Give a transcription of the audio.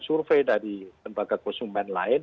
survei dari lembaga konsumen lain